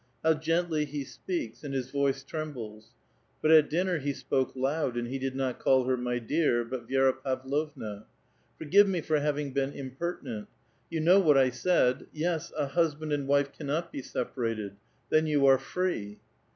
How gently he speaks, and his voice trem bles ; but at dinner he spoke loud, and he did not call her my dear^ but ViSra Pavlovna. '' Forgive me for having been impertinent. You know what I said : yes, a hus band and wife cannot be separated. Then you are free."